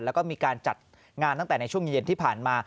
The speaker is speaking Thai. แล้วก็มีการจัดงานตั้งแต่ในช่วงเย็นที่ผ่านมา